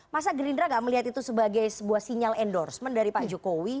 masa gerindra gak melihat itu sebagai sebuah sinyal endorsement dari pak jokowi